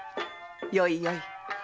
よいよい。